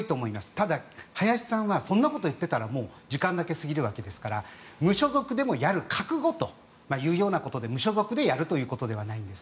ただ、林さんはそんなことを言っていたら時間だけ過ぎるわけですから無所属でもやる覚悟ということで無所属でやるということではないんです。